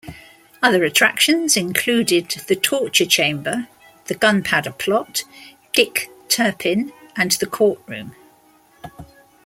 Other attractions included the Torture Chamber, The Gunpowder Plot, Dick Turpin, and the Courtroom.